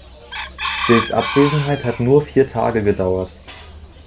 Bills Abwesenheit hat nur vier Tage gedauert.